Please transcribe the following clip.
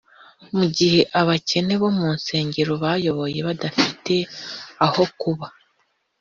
mu gihe abakene bo mu nsengero bayoboye badafite aho kuba